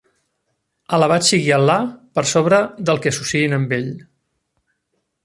Alabat sigui Al·là per sobre del que associïn amb Ell.